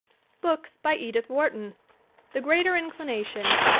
BOOKS BY EDITH WHARTON; The ^Greater Inclination, 1899.